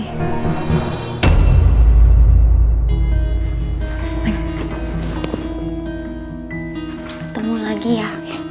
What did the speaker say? ketemu lagi ya